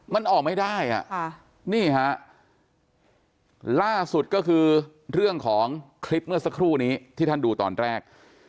มันออกไม่ได้อ่ะค่ะนี่ฮะล่าสุดก็คือเรื่องของคลิปเมื่อสักครู่นี้ที่ท่านดูตอนแรก